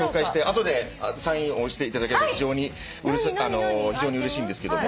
後でサインをしていただければ非常にうれしいんですけども。